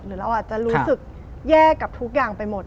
หรือเราอาจจะรู้สึกแย่กับทุกอย่างไปหมด